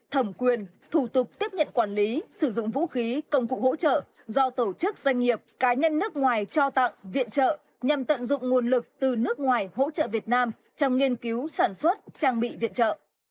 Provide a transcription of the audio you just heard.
thẩm quyền thủ tục tiếp nhận quản lý sử dụng vũ khí công cụ hỗ trợ do tổ chức doanh nghiệp cá nhân nước ngoài cho tặng viện trợ nhằm tận dụng nguồn lực từ nước ngoài hỗ trợ việt nam trong nghiên cứu sản xuất trang bị viện trợ